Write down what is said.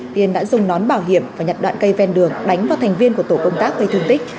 tiên đã dùng nón bảo hiểm và nhặt đoạn cây ven đường đánh vào thành viên của tổ công tác gây thương tích